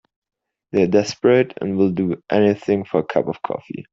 They're desperate and will do anything for a cup of coffee.